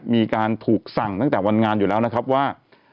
มีการถูกสั่งตั้งแต่วันงานอยู่แล้วนะครับว่า